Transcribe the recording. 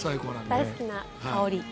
大好きな香り。